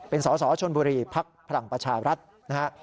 เป็นสสชนบุรีพรังประชารัฐนะฮะ